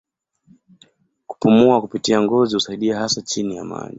Kupumua kupitia ngozi husaidia hasa chini ya maji.